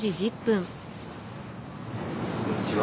こんにちは。